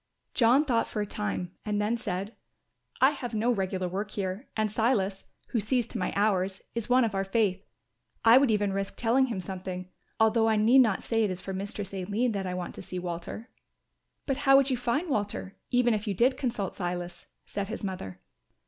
John thought for a time and then said, "I have no regular work here and Silas, who sees to my hours, is one of our faith. I would even risk telling him something; although I need not say it is for Mistress Aline that I want to see Walter." "But how would you find Walter even if you did consult Silas?" said his mother.